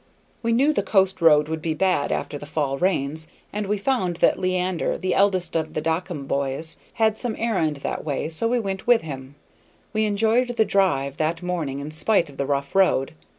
We knew the coast road would be bad after the fall rains, and we found that Leander, the eldest of the Dockum boys, had some errand that way, so he went with us. We enjoyed the drive that morning in spite of the rough road.